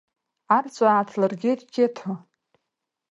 Арҵәаа ааҭлыргеит Қьеҭо!